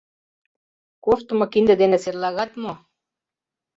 Коштымо кинде дене серлагат мо?